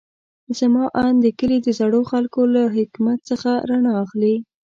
زما اند د کلي د زړو خلکو له حکمت څخه رڼا اخلي.